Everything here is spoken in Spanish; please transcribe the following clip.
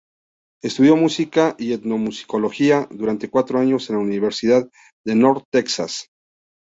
Estudió música y etnomusicología durante cuatro años en la Universidad de North Texas.